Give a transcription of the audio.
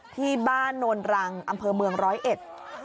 ที่บ้านโนนรังอำเภอเมืองร้อยเอ็ด